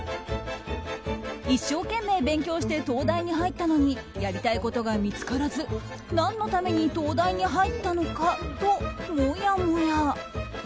一生懸命、勉強して東大に入ったのにやりたいことが見つからず何のために東大に入ったのかともやもや。